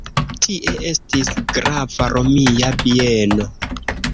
Tie estis grava romia bieno.